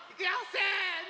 せの。